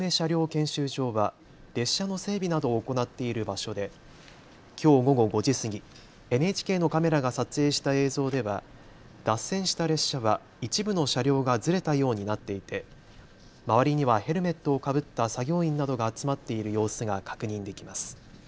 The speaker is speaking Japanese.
検修場は列車の整備などを行っている場所できょう午後５時過ぎ、ＮＨＫのカメラが撮影した映像では脱線した列車は一部の車両がずれたようになっていて周りにはヘルメットをかぶった作業員などが集まっている様子が確認できます。